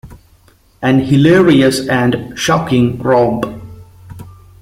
An hilarious and shocking romp.